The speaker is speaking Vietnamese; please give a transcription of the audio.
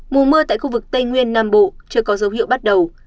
mùa mưa tại khu vực tây nguyên nam bộ chưa có dấu hiệu bắt đầu